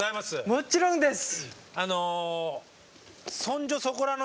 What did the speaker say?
もちろんです。